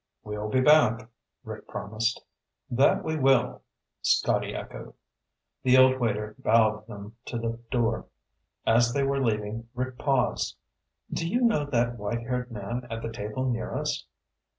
"We'll be back," Rick promised. "That we will," Scotty echoed. The old waiter bowed them to the door. As they were leaving, Rick paused. "Do you know that white haired man at the table near us?"